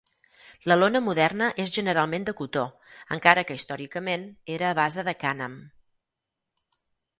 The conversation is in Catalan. La lona moderna és generalment de cotó, encara que històricament, era a base de cànem.